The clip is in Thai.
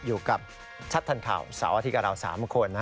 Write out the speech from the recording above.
อยู่กับชัดทันข่าวสาวอธิกาเหล่า๓คน